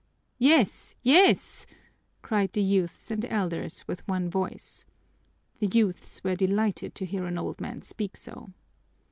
"Yes, yes!" cried the youths and elders with one voice. The youths were delighted to hear an old man speak so.